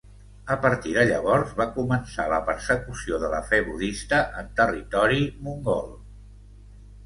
A partir de llavors va començar la persecució de la fe budista en territori mongol.